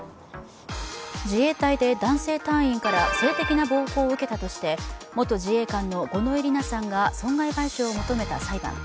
自衛隊で男性隊員から性的な暴行を受けたとして元自衛官の五ノ井里奈さんが損害賠償を求めた裁判。